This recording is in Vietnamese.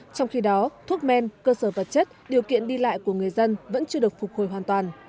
trong khi đó thuốc men cơ sở vật chất điều kiện đi lại của người dân vẫn chưa được phục hồi hoàn toàn